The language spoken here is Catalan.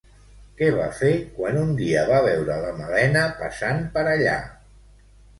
Què va fer quan un dia va veure la Malena passant per allà?